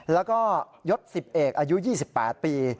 แล้วก็ยศ๑๐เอกอายุ๒๘ปี